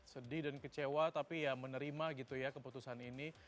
sedih dan kecewa tapi ya menerima gitu ya keputusan ini